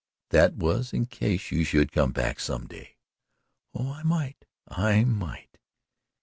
"That was in case you should come back some day." "Oh, I might I might!